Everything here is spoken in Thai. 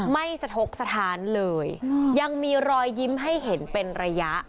ไม่สะทกสถานเลยยังมีรอยยิ้มให้เห็นเป็นระยะ